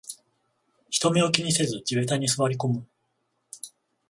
人目を気にせず地べたに座りこむ